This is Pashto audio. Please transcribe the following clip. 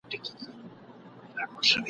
مُلا وویله خدای مي نګهبان دی !.